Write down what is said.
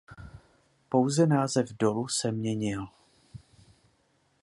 Pouze název dolu se měnil.